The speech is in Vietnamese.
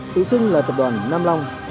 tự sinh là tập đoàn nam long